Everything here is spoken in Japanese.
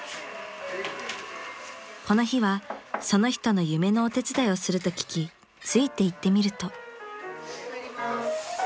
［この日はその人の夢のお手伝いをすると聞きついていってみると］